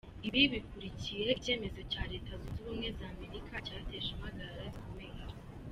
Ibi bikurikiye icyemezo cya Leta Zunze Ubumwe za Amerika cyateje impagarara zikomeye.